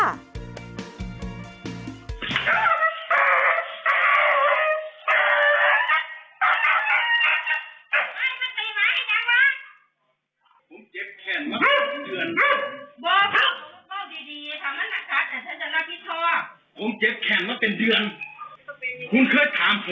มันหรือเปล่าแต่ฉันจะรับผิดทอผมเจ็บแขนแล้วเป็นเดือนคุณเคยถามผมเหรอ